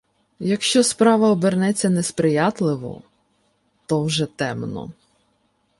Якщо справа обернеться несприятливо, то вже темно.